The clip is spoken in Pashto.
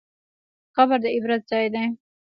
قبر د عبرت ځای دی.